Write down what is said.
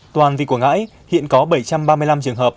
toàn tỉnh quảng ngãi hiện có bảy trăm ba mươi năm trường hợp